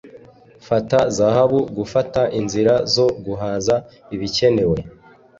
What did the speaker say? Fata zahabu Gufata inzira zo guhaza ibikenewe